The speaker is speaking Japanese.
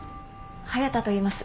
隼田といいます。